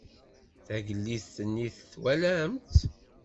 Tagellidt-nni twalam-tt?